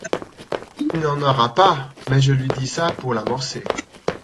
Il n’y en aura pas… mais je lui dis ça pour l’amorcer !